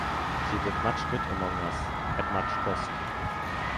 She did much good among us at much cost.